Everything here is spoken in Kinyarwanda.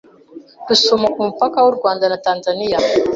Rusumo ku mupaka w’u Rwanda na Tanzaniya.